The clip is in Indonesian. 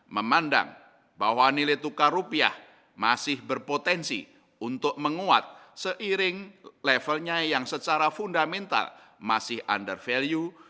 memandang bahwa nilai tukar rupiah masih berpotensi untuk menguat seiring levelnya yang secara fundamental masih under value